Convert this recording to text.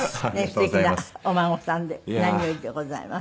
すてきなお孫さんで何よりでございます。